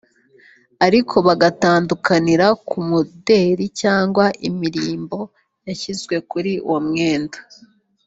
ariko bagatandukanira ku muderi cyangwa imirimbo yashyizwe kuri uwo mwenda